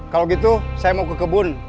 kalau gitu saya mau ke kebun